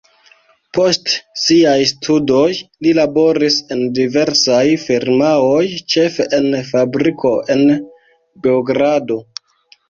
Post siaj studoj li laboris en diversaj firmaoj, ĉefe en fabriko en Beogrado.